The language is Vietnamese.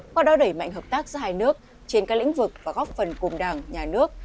qua đó đẩy mạnh hợp tác giữa hai nước trên các lĩnh vực và góp phần cùng đảng nhà nước